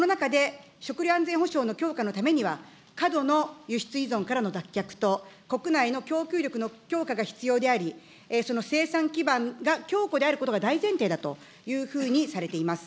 この中で食料安全保障の強化のためには、過度の輸出依存からの脱却と、国内の供給力の強化が必要であり、その生産基盤が強固であることが大前提だというふうにされています。